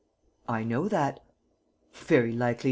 "I know that." "Very likely.